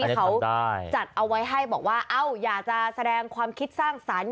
เขาจัดเอาไว้ให้บอกว่าเอ้าอยากจะแสดงความคิดสร้างสรรค์